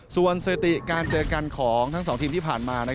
ส่วนเศรษฐิการเจอกันของทั้ง๒ทีมที่ผ่านมา